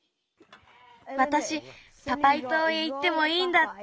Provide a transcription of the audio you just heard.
わたしパパイとうへいってもいいんだって。